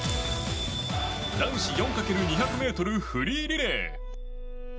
男子４×２００ｍフリーリレー。